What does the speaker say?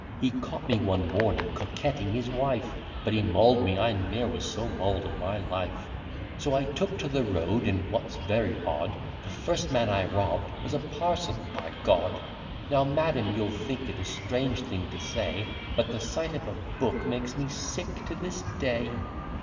He caught me one morning coquetting his wife, But he maul'd me, I ne'er was so maul'd in my life: So I took to the road, and, what's very odd, The first man I robb'd was a parson, by G . Now, madam, you'll think it a strange thing to say, But the sight of a book makes me sick to this day.